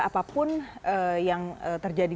apapun yang terjadi